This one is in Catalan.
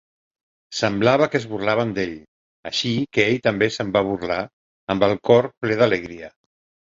Semblava que es burlaven d'ell, així que ell també se'n va burlar, amb el cor ple d'alegria.